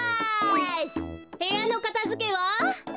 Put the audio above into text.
へやのかたづけは？